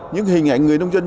những hình ảnh người nông dân